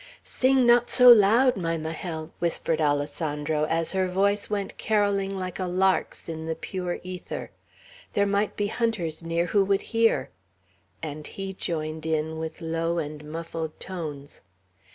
"Sing not so loud, my Majel," whispered Alessandro, as her voice went carolling like a lark's in the pure ether. "There might be hunters near who would hear;" and he joined in with low and muffled tones.